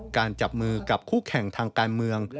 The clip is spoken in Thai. จับมือกับคู่แข่งทางการเมือง